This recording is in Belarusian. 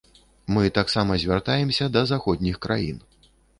Мы таксама звяртаемся да заходніх краін.